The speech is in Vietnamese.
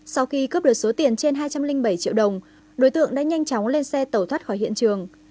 sau khi cướp được số tiền trên hai trăm linh bảy triệu đồng đối tượng đã nhanh chóng lên xe tẩu thoát khỏi hiện trường